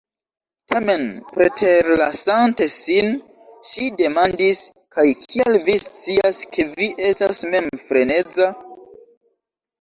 Tamen, preterlasante sin, ŝi demandis "kaj kiel vi scias ke vi estas mem freneza?"